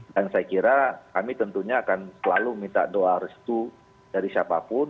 dan saya kira kami tentunya akan selalu minta doa restu dari siapapun